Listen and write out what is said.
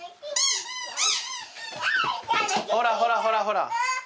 ほらほらほらほら。